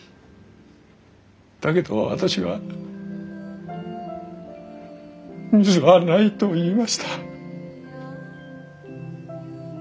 だけど私は「水はない」と言いました。